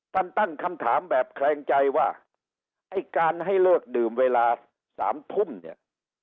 ตั้งคำถามแบบแคลงใจว่าไอ้การให้เลิกดื่มเวลาสามทุ่มเนี่ย